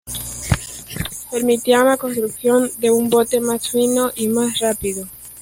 Permitían la construcción de un bote más fino y más rápido.